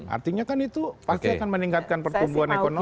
artinya kan itu pasti akan meningkatkan pertumbuhan ekonomi